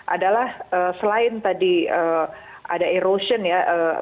adalah selain tadi ada erosion ya